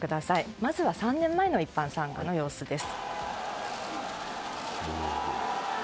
まずは３年前の一般参賀の様子です。